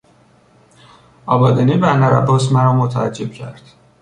آبادانی بندرعباس مرا متعجب کرد.